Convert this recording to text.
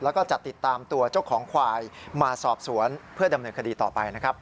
แล้วก็จะติดตามตัวเจ้าของควายมาสอบสวนเพื่อดำเนินคดีต่อไปนะครับ